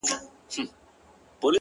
ولي مي هره شېبه هر ساعت په غم نیس